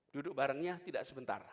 duduk barengnya tidak sebentar